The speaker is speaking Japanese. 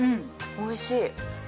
おいしい。